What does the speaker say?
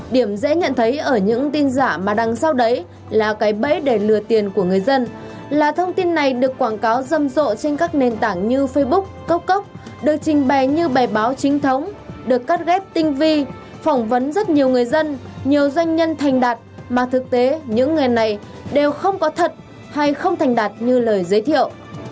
điểm dễ nhận thấy ở những tin giả mà đăng sau đấy là cái bẫy để lừa tiền của người dân là thông tin này được quảng cáo râm rộ trên các nền tảng như facebook cốc cốc được trình bè như bài báo chính thống được cắt ghép tinh vi phỏng vấn rất nhiều người dân nhiều doanh nhân thành đạt mà thực tế những người này đều không có thật hay không thành đạt như lời giới thiệu